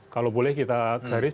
kalau boleh kita garis